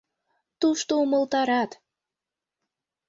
«Тушто умылтарат.